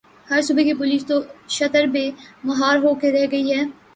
ہر صوبے کی پولیس تو شتر بے مہار ہو کے رہ گئی ہے۔